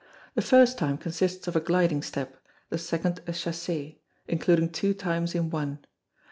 The first time consists of a gliding step; the second a chassez, including two times in one.